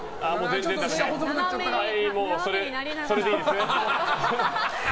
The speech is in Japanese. それでいいですか？